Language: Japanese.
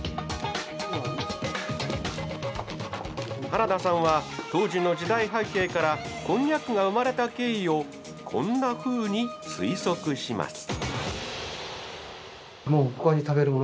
原田さんは当時の時代背景からこんにゃくが生まれた経緯をこんなふうに推測します。